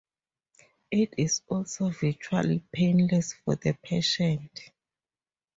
It is also virtually painless for the patient.